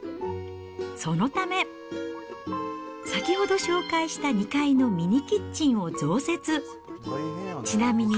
そのため、先ほど紹介した２階のミニキッチンを増設。